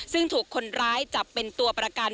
ซึ่งถูกคนร้ายจับเป็นตัวประกัน